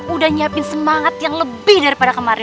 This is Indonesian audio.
udah nyiapin semangat yang lebih daripada kemarin